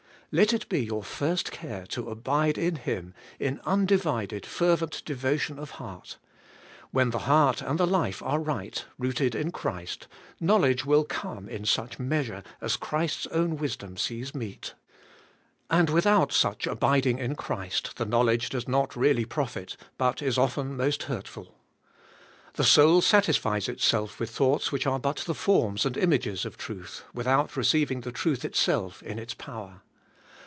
Let it be your first care to abide in Him in undivided fervent devotion of heart; when the heart and the life are right, rooted in Christ, knowledge will come in such measure as Christ's own wisdom sees meet. And without sucli abiding in Christ the knowledge does not really profit, but is AS YOUR WISDOM, 61 often most hurtful. The soul satisfies itself with thoughts which are but the forms and images of truth, without receiving the truth itself in its power.